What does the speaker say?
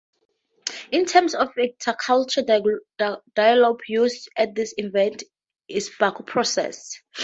The term for intercultural dialogue used at these events is Baku Process.